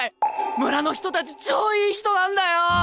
村の人たち超いい人なんだよ！